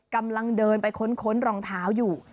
กำลังเดินไปค้นรองเท้าอยู่